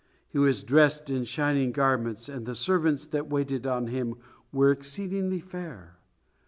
He was dressed in shining garments, and the servants that waited on him were exceedingly fair.